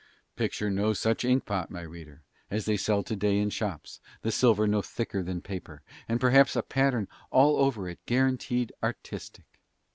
Picture no such ink pot, my reader, as they sell to day in shops, the silver no thicker than paper, and perhaps a pattern all over it guaranteed artistic.